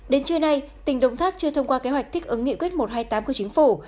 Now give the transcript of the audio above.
đến trưa nay tỉnh đồng tháp chưa thông qua kế hoạch thích ứng nghị quyết một trăm hai mươi tám của chính phủ